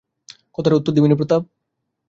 কথার উত্তর দিবিনে প্রতাপ?